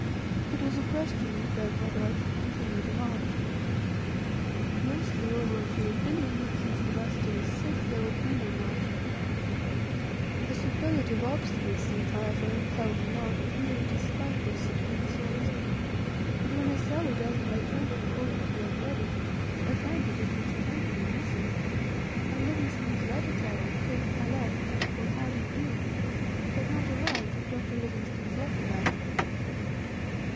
It was a question with them whether I should continue the march. Mostly all were of opinion that, since the master was sick, there would be no march. A superlative obstinacy, however, impelled me on, merely to spite their supine souls; but when I sallied out of my tent to call them to get ready, I found that at least twenty were missing; and Livingstone's letter carrier, "Kaif Halek" or, How do ye do? had not arrived with Dr. Livingstone's letter bag.